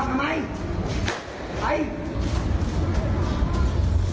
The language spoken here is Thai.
กังวลใจเซียว